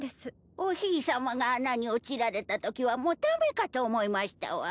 おひいさまが穴に落ちられたときはもう駄目かと思いましたわ。